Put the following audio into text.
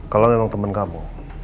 kalau nino teman kamu